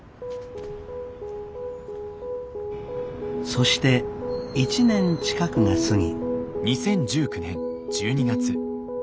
そして１年近くが過ぎ。